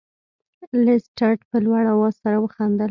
لیسټرډ په لوړ اواز سره وخندل.